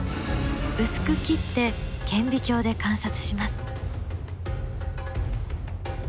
薄く切って顕微鏡で観察します。